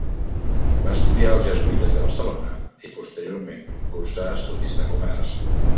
Va estudiar als Jesuïtes de Barcelona i posteriorment cursà estudis de comerç.